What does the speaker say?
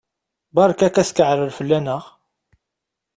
Berka-k askeɛrer fell-aneɣ!